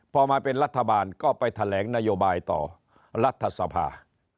พอมาเป็นรัฐบาลก็ไปแถลงนโยบายต่อรัฐสภา